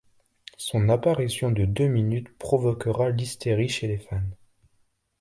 Son apparition de deux minutes provoquera l'hystérie chez les fans.